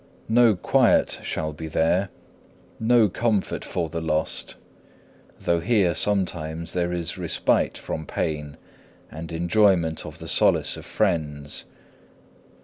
No quiet shall be there, no comfort for the lost, though here sometimes there is respite from pain, and enjoyment of the solace of friends.